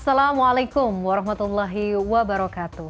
assalamualaikum warahmatullahi wabarakatuh